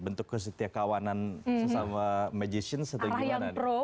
bentuk kesetiakawanan sama magicians atau gimana